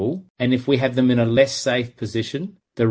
dan jika kita memiliki mereka di posisi yang lebih aman